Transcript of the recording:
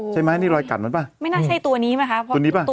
ใช่ไหมนี่รอยกัดเปล่า